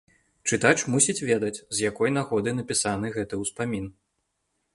Чытач мусіць ведаць, з якой нагоды напісаны гэты ўспамін.